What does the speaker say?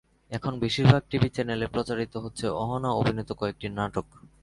এখন বেশির ভাগ টিভি চ্যানেলে প্রচারিত হচ্ছে অহনা অভিনীত কয়েকটি নাটক।